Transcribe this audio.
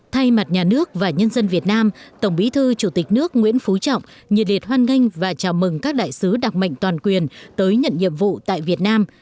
thay mặt nhà nước và nhân dân việt nam tổng bí thư chủ tịch nước nguyễn phú trọng nhiệt liệt hoan nghênh và chào mừng các đại sứ đặc mệnh toàn quyền tới nhận nhiệm vụ tại việt nam